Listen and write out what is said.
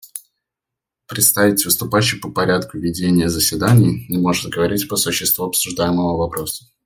Представитель, выступающий по порядку ведения заседания, не может говорить по существу обсуждаемого вопроса.